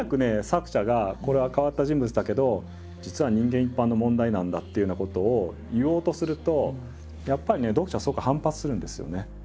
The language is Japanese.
作者が「これは変わった人物だけど実は人間一般の問題なんだ」っていうようなことを言おうとするとやっぱりね読者はすごく反発するんですよね。